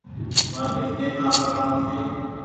مآچيس لين آو ڪآم ڇي۔